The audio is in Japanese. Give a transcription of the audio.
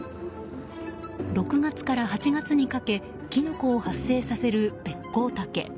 ６月から８月にかけキノコを発生させるベッコウタケ。